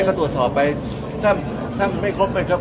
ถ้าตรวจสอบไปถ้ามันไม่ครบไม่ครบ